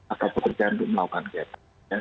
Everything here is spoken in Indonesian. atau pekerjaan untuk melakukan kegiatan